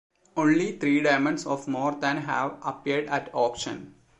Only three diamonds of more than have appeared at auction.